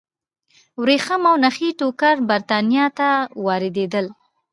ورېښم او نخي ټوکر برېټانیا ته واردېدل.